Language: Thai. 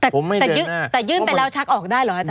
ผมไม่เดินหน้าแต่ยื่นไปแล้วชักออกได้เหรออาจารย์